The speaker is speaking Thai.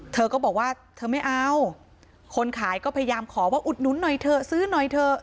เธอก็บอกว่าเธอไม่เอาคนขายก็พยายามขอว่าอุดหนุนหน่อยเถอะซื้อหน่อยเถอะ